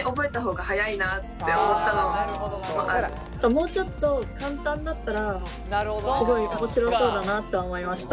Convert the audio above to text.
もうちょっと簡単だったらすごい面白そうだなとは思いました。